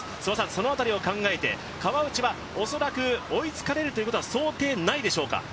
その辺りを考えて、川内は恐らく追いつかれることは想定内でしょうか？